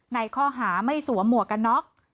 ในข้อหาไม่สวมหมวกกันน็อก